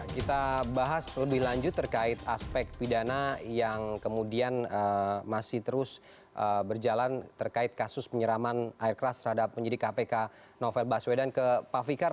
kita bahas lebih lanjut terkait aspek pidana yang kemudian masih terus berjalan terkait kasus penyeraman air keras terhadap penyidik kpk novel baswedan ke pak fikar